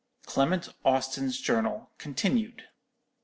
CLEMENT AUSTIN'S JOURNAL CONTINUED.